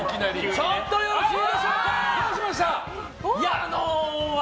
ちょっとよろしいでしょうか！笑